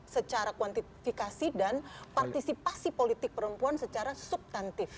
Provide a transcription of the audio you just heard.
secara kuantifikasi dan partisipasi politik perempuan secara subtantif